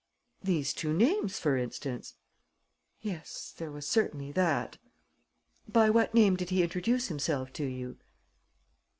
"These two names, for instance?" "Yes, there was certainly that." "By what name did he introduce himself to you?"